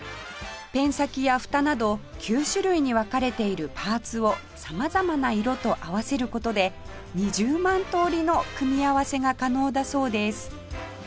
ペン先や蓋など９種類に分かれているパーツを様々な色と合わせる事で２０万通りの組み合わせが可能だそうです